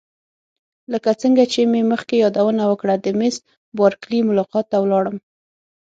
لکه څنګه چې مې مخکې یادونه وکړه د میس بارکلي ملاقات ته ولاړم.